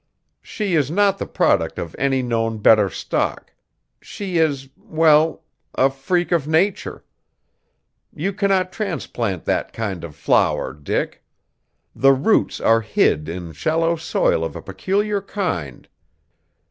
She is not the product of any known better stock; she is, well, a freak of nature! You cannot transplant that kind of flower, Dick. The roots are hid in shallow soil of a peculiar kind.